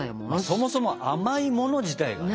そもそも甘いもの自体がね。